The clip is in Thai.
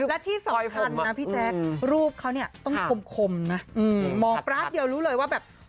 และที่สำคัญนะพี่แจ๊ครูปเขาเนี่ยต้องคมนะมองปราบเดียวรู้เลยว่าแบบ